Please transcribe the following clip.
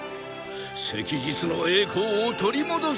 昔日の栄光を取り戻すのじゃ！